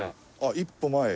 「一歩前へ！」？